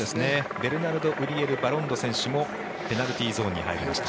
ベルナルド・ウリエル・バロンド選手もペナルティーゾーンに入りました。